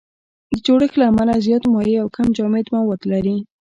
د جوړښت له امله زیات مایع او کم جامد مواد لري.